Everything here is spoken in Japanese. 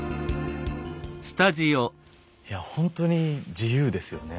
いやほんとに自由ですよね。